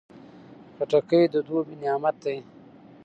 خټکی د دوبی نعمت دی.